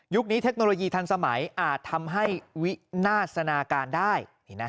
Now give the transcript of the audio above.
นี้เทคโนโลยีทันสมัยอาจทำให้วินาศนาการได้